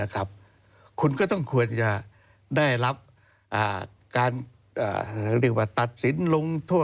คุณก็ต้องควรจะได้รับการตัดสินลงโทษ